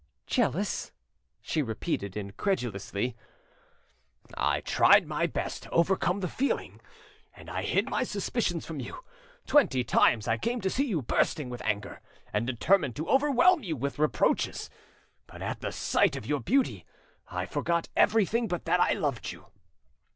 "Jealous!" she repeated incredulously. "I tried my best to overcome the feeling, and I hid my suspicions from you. Twenty times I came to see you bursting with anger and determined to overwhelm you with reproaches, but at the sight of your beauty I forgot everything but that I loved you.